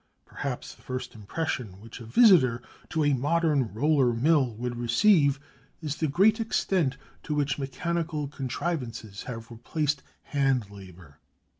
Perhaps the first impression which a visitor to a modern roller mill would receive is the great extent to which mechanical contrivances have replaced hand labour.